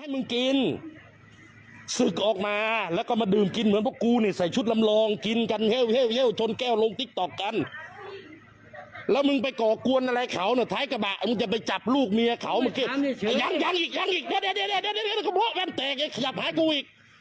ลูกเมียเขาอื่นไงหยั่งหยั่งอีกเอี๋ยวเดี๋ยวแบบเปล็กให้ขยับหากูอีก